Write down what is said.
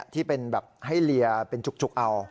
ที่เป็นแบบให้เลียเป็นจุกเอา